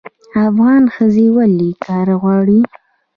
افغان ښځې ولې کار غواړي؟